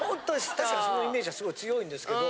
確かにそのイメージは強いんですけど。